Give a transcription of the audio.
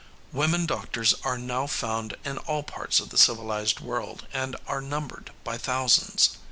Women doctors are now found in all parts of the civilized world and are numbered by thousands.